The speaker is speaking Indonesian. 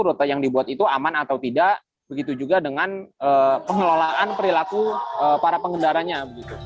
rute yang dibuat itu aman atau tidak begitu juga dengan pengelolaan perilaku para pengendaranya